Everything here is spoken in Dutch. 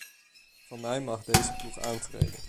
Van mij mag deze ploeg aantreden.